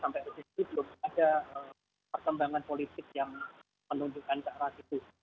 belum ada perkembangan politik yang menunjukkan ke arah situ